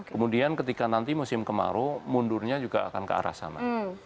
kemudian ketika nanti musim kemarau mundurnya juga akan ke arah sana